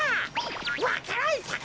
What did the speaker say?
わか蘭さかせろ！